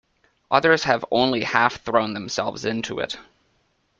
Others have only half thrown themselves into it.